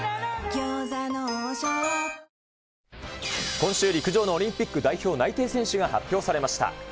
今週、陸上のオリンピック代表内定選手が発表されました。